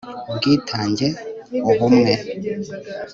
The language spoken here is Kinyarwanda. ubwitange, ubumwe